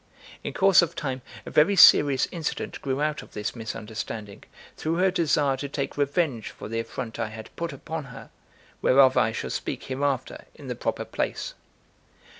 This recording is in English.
In course of time a very serious incident grew out of this misunderstanding, through her desire to take revenge for the affront I had put upon her; whereof I shall speak hereafter in the proper place.